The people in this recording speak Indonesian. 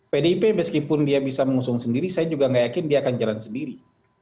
pdip meskipun dia bisa mengusung sendiri saya juga nggak yakin dia akan jalan sendiri